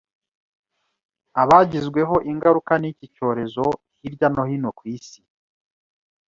abagizweho ingaruka n’iki cyorezo hirya no hino ku isi